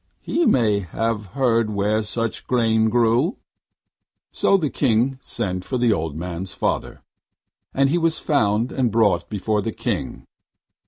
He may have heard where such grain grew.' So the King sent for the old man's father, and he was found and brought before the King.